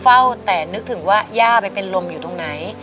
เฝ้าแต่นึกถึงว่าย่าไปเป็นลมอยู่ตรงไหน